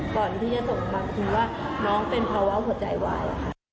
ก่อนที่จะส่งมาคือว่าน้องเป็นภาวะหัวใจวาย